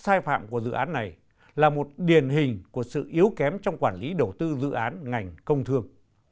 việc để thất thoát thua lỗ sai phạm của dự án này là một điển hình của sự yếu kém trong quản lý đầu tư dự án ngành công thương